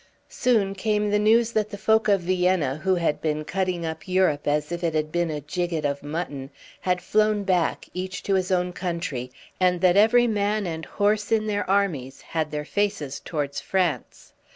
Soon came the news that the folk of Vienna, who had been cutting up Europe as if it had been a jigget of mutton, had flown back, each to his own country, and that every man and horse in their armies had their faces towards France.